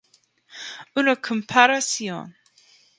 Una comparación".